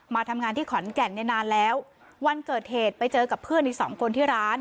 มาทำงานที่ขอนแก่นเนี่ยนานแล้ววันเกิดเหตุไปเจอกับเพื่อนอีกสองคนที่ร้าน